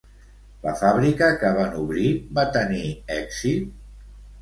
La fàbrica que van obrir va tenir èxit?